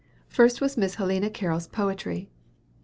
First was Miss Helena Carroll's poetry.